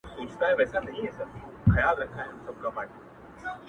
هغه اوس اوړي غرونه غرونه پـــرېږدي,